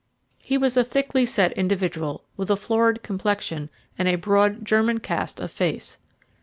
He was a thickly set individual with a florid complexion and a broad German cast of face.